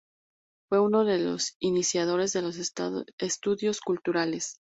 Fue uno de los iniciadores de los Estudios Culturales.